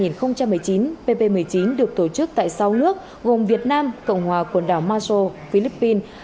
năm hai nghìn một mươi chín pp một mươi chín được tổ chức tại sáu nước gồm việt nam cộng hòa quần đảo mazo philippines